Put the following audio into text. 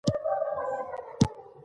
د ایران مذهب شیعه اسلام دی.